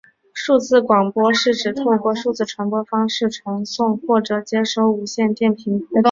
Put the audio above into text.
数字广播是指透过数字传播方式传送或者接收无线电频谱。